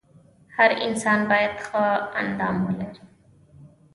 هر انسان باید ښه اندام ولري .